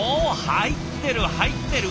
入ってる入ってる。